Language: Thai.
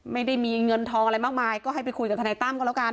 ไม่ได้มีเงินทองอะไรมากมายก็ให้ไปคุยกับทนายตั้มก็แล้วกัน